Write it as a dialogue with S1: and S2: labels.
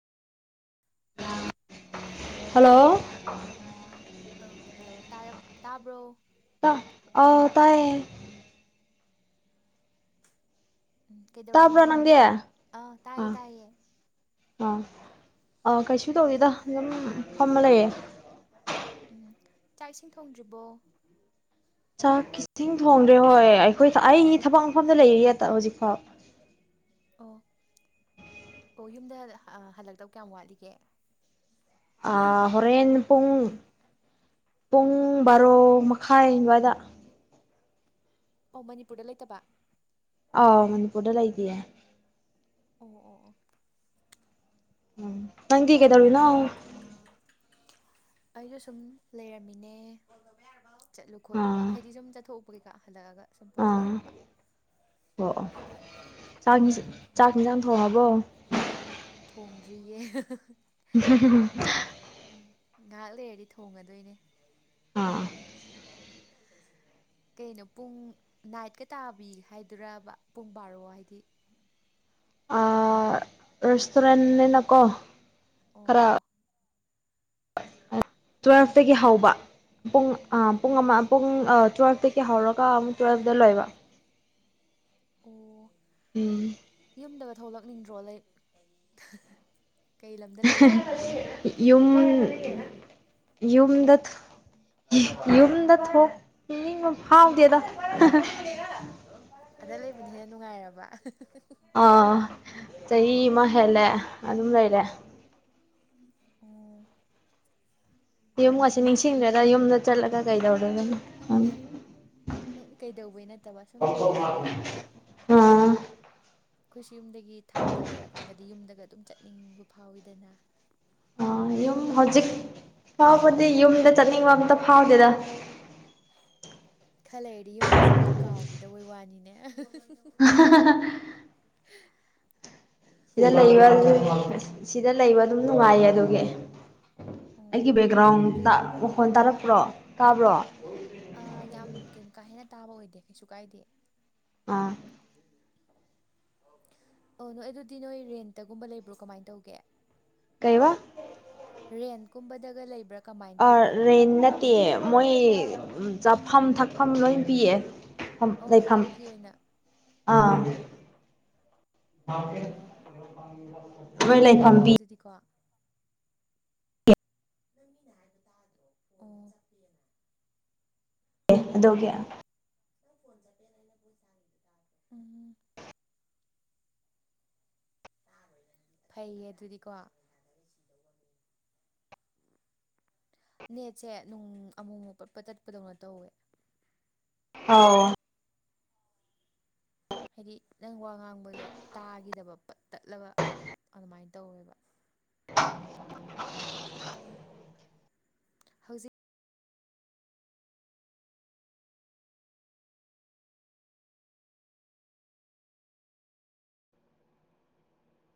S1: hello [inaudible]
S2: ꯑꯥ hello ꯇꯥꯕ꯭ꯔꯣ
S1: ꯑꯥ ꯇꯥꯏꯌꯦ
S2: ꯎꯝ
S1: ꯇꯥꯕ꯭ꯔꯣ
S2: ꯀꯩꯗꯧꯔꯝꯃꯤꯅꯣ
S1: ꯅꯪꯗꯤ ꯑꯥ
S2: ꯑꯥ ꯇꯥꯏꯌꯦ ꯇꯥꯏꯌꯦ
S1: ꯑꯥ ꯑ ꯀꯩꯁꯨ ꯇꯧꯗꯦꯗ ꯑꯗꯨꯝ ꯐꯝꯃ ꯂꯩꯌꯦ
S2: ꯎꯝ ꯆꯥꯛ ꯏꯁꯤꯡ ꯊꯣꯡꯗ꯭ꯔꯤꯕꯣ
S1: ꯆꯥꯛ ꯏꯁꯤꯡ ꯊꯣꯡꯗ꯭ꯔꯦ ꯍꯣꯏ ꯑꯩꯈꯣꯏ ꯑꯩ ꯊꯕꯛ ꯃꯐꯝꯗ ꯂꯩꯔꯤ ꯍꯧꯖꯤꯛꯐꯥꯎ
S2: ꯑꯣ ꯑꯣ ꯌꯨꯝꯗ ꯍꯜꯂꯛꯇꯧ ꯀꯌꯥꯝ ꯋꯥꯠꯂꯤꯒꯦ
S1: ꯑꯥ ꯍꯣꯔꯦꯟ ꯄꯨꯡ ꯄꯨꯡ ꯕꯥꯔꯣ ꯃꯈꯥꯏ ꯑꯗꯨꯋꯥꯏꯗ
S2: ꯑꯣ ꯃꯅꯤꯄꯨꯔꯗ ꯂꯩꯇꯕ
S1: ꯑꯥꯃꯅꯤꯄꯨꯔꯗ ꯂꯩꯇꯤꯌꯦ
S2: ꯑꯣ ꯑꯣ ꯑꯣ
S1: ꯎꯝ ꯅꯪꯗꯤ ꯀꯩꯗꯧꯔꯤꯅꯣ
S2: ꯑꯩꯁꯨ ꯁꯨꯝ ꯂꯩꯔꯝꯃꯤꯅꯦ ꯆꯠꯂꯨ
S1: ꯑꯥ
S2: ꯈꯣꯠꯂꯨꯕ
S1: ꯑꯥ
S2: ꯍꯥꯏꯗꯤ ꯁꯨꯝ ꯆꯠꯊꯣꯛꯎꯄ ꯀꯩꯀꯥ ꯍꯜꯂꯛꯑꯒ ꯁꯨꯝ ꯄꯣꯊꯥꯔꯝꯕ
S1: ꯑꯣ ꯑꯣ ꯆꯥꯛ
S2: ꯎꯝ
S1: ꯆꯥꯛ ꯌꯦꯟꯁꯥꯡ ꯊꯣꯡꯉꯕꯣ
S2: ꯊꯣꯡꯗ꯭ꯔꯤꯌꯦ
S1: [unintelligible]
S2: ꯎꯝ ꯉꯥꯏꯍꯥꯛ ꯂꯩꯔꯗꯤ ꯊꯣꯡꯉꯗꯣꯏꯅꯦ
S1: ꯑꯥ
S2: [unintelligible] ꯀꯩꯅꯣ ꯄꯨꯡ ꯅꯥꯏꯠꯀ ꯇꯥꯕꯤ ꯍꯥꯏꯗꯨꯔꯕ ꯄꯨꯡ ꯕꯥꯔꯣ ꯍꯥꯏꯗꯤ
S1: ꯑꯥ ꯔꯦꯁꯇꯨꯔꯦꯟꯅꯤꯅꯀꯣ ꯈꯔ
S2: ꯑꯣ
S1: ꯇꯨꯋꯦꯜꯐꯇꯒꯤ ꯍꯧꯕ ꯄꯨꯡ ꯄꯨꯡ ꯑꯃ ꯄꯨꯡ
S2: ꯑꯣ
S1: ꯇꯨꯌꯦꯜꯞꯇꯒꯤ ꯍꯧꯔꯒ ꯑꯃꯨꯛ ꯇꯨꯌꯦꯜꯞꯇ ꯂꯣꯏꯕ
S2: ꯑꯣ
S1: ꯎꯝ
S2: ꯌꯨꯝꯗꯒ ꯊꯣꯛꯂꯛꯅꯤꯡꯗ꯭ꯔꯣ ꯂꯥꯢꯛ
S1: ꯌꯨꯝ ꯌꯨꯝꯗ ꯊꯣꯛ ꯌꯨꯝꯗ ꯊꯣꯛꯅꯤꯡꯕ ꯐꯥꯎꯗꯦꯗ
S2: ꯑꯗ ꯂꯩꯕꯅ ꯍꯦꯟꯅ ꯅꯨꯡꯉꯥꯏꯔꯕ
S1: ꯑꯥ ꯆꯍꯤ ꯑꯃ ꯍꯦꯜꯂꯦ ꯑꯗꯨꯝ ꯂꯩꯔꯦ
S2: ꯑꯣ
S1: ꯌꯨꯝ ꯉꯁꯤ ꯅꯤꯡꯁꯤꯡꯗ꯭ꯔꯦꯗ ꯌꯨꯝꯗ ꯆꯠꯂꯒ ꯀꯩꯗꯧꯔꯨꯅꯤ [unintelligible]
S2: [unintelligible] ꯀꯩꯗꯧꯕꯩ ꯅꯠꯇꯕ ꯁꯨꯝ ꯂꯩꯗꯅ
S1: ꯑꯥ
S2: ꯑꯩꯈꯣꯏꯁꯨ ꯌꯨꯝꯗꯒꯤ ꯊꯥꯞꯅ ꯂꯩꯔꯛꯑꯀꯥꯟꯗꯗꯤ ꯌꯨꯝꯗꯒ ꯑꯗꯨꯝ ꯆꯠꯅꯤꯡꯕ ꯐꯥꯎꯋꯤꯗꯅ
S1: ꯑ ꯌꯨꯝ ꯍꯧꯖꯤꯛ
S2: ꯑꯗꯨ
S1: ꯐꯥꯎꯕꯗꯤ ꯌꯨꯝꯗ ꯆꯠꯅꯤꯡꯕ ꯑꯝꯇ ꯐꯥꯎꯗꯦꯗ
S2: ꯈꯔ ꯂꯩꯔꯗꯤ ꯌꯨꯝꯒꯁꯦ ꯂꯣꯏ ꯀꯥꯎꯈꯤꯗꯕꯩ ꯋꯥꯅꯤꯅꯦ
S1: [unintelligible]
S2: [unintelligible]
S1: ꯁꯤꯗ ꯂꯩꯕ [unintelligible] ꯁꯤꯗ ꯂꯩꯕ ꯑꯗꯨꯝ ꯅꯨꯡꯉꯥꯏꯌꯦ ꯑꯗꯨꯒꯤ ꯑꯩꯒꯤ ꯕꯦꯛꯒ꯭ꯔꯥꯎꯟ
S2: ꯑꯗꯨ
S1: ꯇ ꯃꯈꯣꯟ ꯇꯥꯔꯛꯄ꯭ꯔꯣ ꯇꯥꯕ꯭ꯔꯣ
S2: ꯑ ꯌꯥꯝ ꯀꯩꯅꯣ ꯀꯥ ꯍꯦꯟꯅ ꯇꯥꯕ ꯑꯣꯏꯗꯦ ꯀꯩꯁꯨ ꯀꯥꯏꯗꯦ
S1: ꯑꯥ
S2: ꯑꯣ ꯅꯣꯏ ꯑꯗꯨꯗꯤ ꯅꯣꯏ ꯔꯦꯟꯇꯒꯨꯝꯕ ꯂꯩꯕ꯭ꯔꯣ ꯀꯃꯥꯏꯅ ꯇꯧꯒꯦ
S1: ꯀꯩꯕ
S2: ꯔꯦꯟ ꯀꯨꯝꯕꯗꯒ ꯂꯩꯕ꯭ꯔꯥ ꯀꯃꯥꯏꯅ
S1: ꯑ
S2: ꯇꯧꯒꯦꯕ
S1: ꯔꯦꯟ ꯅꯠꯇꯦ ꯃꯣꯏ ꯆꯥꯐꯝ ꯊꯛꯐꯝ ꯂꯣꯏ ꯄꯤꯌꯦ
S2: ꯑꯧ
S1: ꯂꯩꯐꯝ
S2: ꯍꯣꯇꯦꯜꯒꯤ ꯑꯣꯏꯅ
S1: ꯑꯥ
S2: ꯑꯣ
S1: [unintelligible] ꯃꯣꯏ ꯂꯩ ꯐꯝ ꯄꯤ
S2: ꯀꯣ ꯅꯪ ꯃꯤꯅ ꯍꯥꯏꯗꯣ ꯇꯥꯗ꯭ꯔꯣ ꯑꯣ
S1: [unintelligible] ꯑꯗꯨꯒꯤ
S2: [unintelligible] ꯎꯝ [unintelligible] ꯐꯩꯌꯦ ꯑꯗꯨꯗꯤꯀꯣ ꯅꯦꯠꯁꯦ ꯅꯨꯡ ꯑꯃꯨꯛꯃꯨꯛ ꯄꯠꯄꯠ ꯇꯠꯄꯗꯧꯅ ꯇꯧꯋꯦ
S1: ꯑꯥꯎ
S2: ꯍꯥꯏꯗꯤ ꯅꯪ ꯋꯥ ꯉꯥꯡꯕꯗꯣ ꯇꯥꯈꯤꯗꯕ ꯄꯠ ꯇꯠꯂꯒ ꯑꯗꯨꯃꯥꯏꯅ ꯇꯧꯋꯦꯕ
S1: [unintelligible]
S2: ꯍꯧꯖꯤꯛ